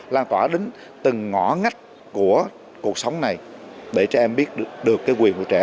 lan tỏa đến từng ngõ ngách của cuộc sống này để trẻ em biết được cái quyền của trẻ